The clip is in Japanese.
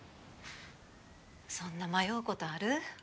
そんな迷うことある？